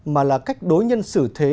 mà là cách đối nhân xử thế